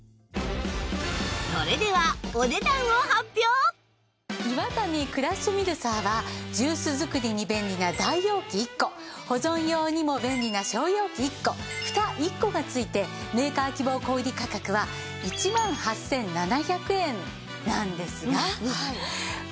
それではイワタニクラッシュミルサーはジュース作りに便利な大容器１個保存用にも便利な小容器１個フタ１個が付いてメーカー希望小売価格は１万８７００円なんですが。